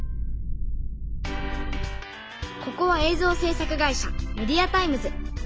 ここは映像制作会社メディアタイムズ。